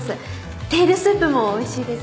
テールスープもおいしいですよ